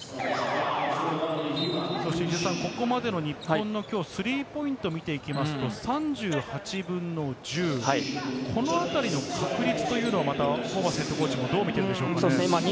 ここまでの日本の今日スリーポイントを見ていきますと、３８分の１０。このあたりの確率というのは、ホーバスＨＣはどう見ているんでしょうか？